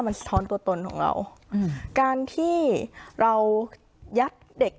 เพราะฉะนั้นทำไมถึงต้องทำภาพจำในโรงเรียนให้เหมือนกัน